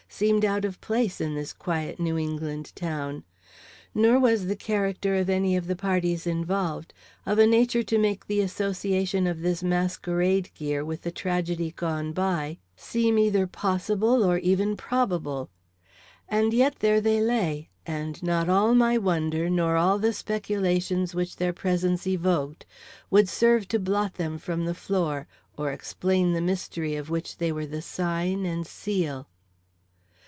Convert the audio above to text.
seemed out of place in this quiet New England town; nor was the character of any of the parties involved, of a nature to make the association of this masquerade gear with the tragedy gone by seem either possible or even probable. And yet, there they lay; and not all my wonder, nor all the speculations which their presence evoked, would serve to blot them from the floor or explain the mystery of which they were the sign and seal.